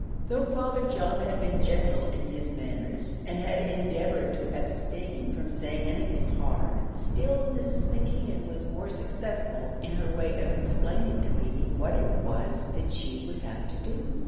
Though Father John had been gentle in his manners and had endeavoured to abstain from saying anything hard, still Mrs. McKeon was more successful in her way of explaining to Feemy what it was that she would have to do.